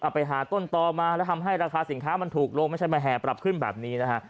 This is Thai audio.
ไปหาต้นต่อมาแล้วทำให้ราคาสินค้ามันถูกลงไม่ใช่มาแห่ปรับขึ้นแบบนี้นะฮะ